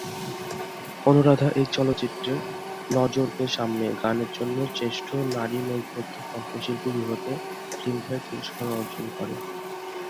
অনুরাধা এই চলচ্চিত্রের "নজর কে সামনে" গানের জন্য শ্রেষ্ঠ নারী নেপথ্য কণ্ঠশিল্পী বিভাগে ফিল্মফেয়ার পুরস্কার অর্জন করেন।